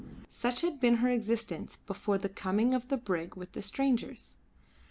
Such had been her existence before the coming of the brig with the strangers.